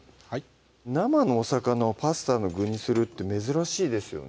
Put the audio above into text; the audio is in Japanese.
生のお魚をパスタの具にするって珍しいですよね